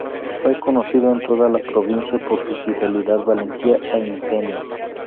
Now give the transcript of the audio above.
Fue conocido en toda la provincia por su fidelidad, valentía e ingenio.